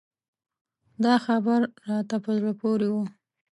دا خبر راته په زړه پورې و.